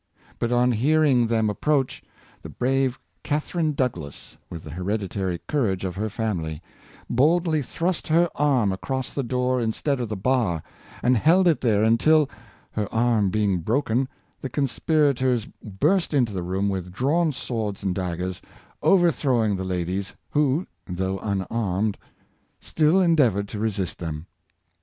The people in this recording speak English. But, on hearing them approach, the brave Catherine Douglas, with the hereditary courage of her family, boldly thrust her arm across the door instead of 30 466 Heroism of Women, the bar, and held it there until, her arm being broken, the conspirators burst into the room with drawn swords and daggers, overthrowing the ladies, who, though un armed, still endeavored to resist them.